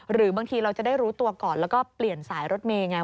หรือบางทีเราจะได้รู้ตัวก่อนแล้วก็เปลี่ยนสายรถเมย์ไง